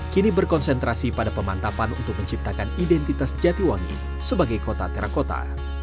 kini berkonsentrasi pada pemantapan untuk menciptakan identitas jatiwangi sebagai kota terakota